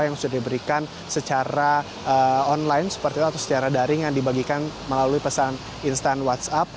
yang sudah diberikan secara online seperti itu atau secara daring yang dibagikan melalui pesan instan whatsapp